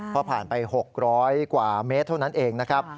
พอผ่านไป๖๐๐กว่าเมตรเท่านั้นเองนะครับ